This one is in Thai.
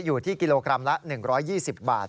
อยู่ที่กิโลกรัมละ๑๒๐บาท